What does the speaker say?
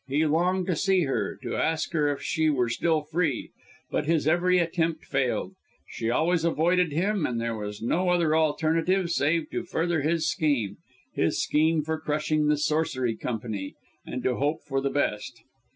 He longed to see her to ask her if she were still free; but his every attempt failed. She always avoided him, and there was no other alternative save to further his scheme his scheme for crushing the Sorcery Company and to hope for the best.